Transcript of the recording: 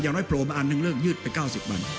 ยังไว้โปร์มันอันตั้งเรื่องยืดไป๙๐วัน